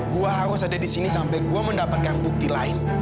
gue harus ada di sini sampai gua mendapatkan bukti lain